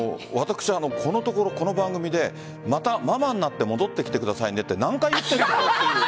このところ、この番組でまたママになって戻ってきてくださいねって何回言ってるかなって。